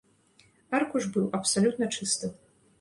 Аркуш быў абсалютна чыстым.